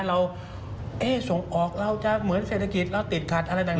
เราเอ๊ะส่งออกเราจะเหมือนเศรษฐกิจเราติดขัดอะไรแบบนั้น